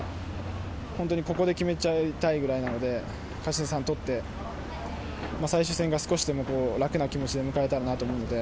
本当にここで決めちゃいたいくらいなので勝ち点３を取って最終戦を少しでも楽な気持ちで迎えられたらなと思うので。